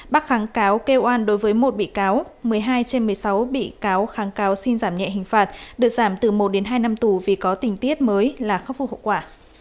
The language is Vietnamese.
bác kháng cáo kêu oan đối với một bị cáo một mươi hai trên một mươi sáu bị cáo kháng cáo xin giảm nhẹ hình phạt được giảm từ một đến hai năm tù vì có tình tiết mới là khắc phục hậu quả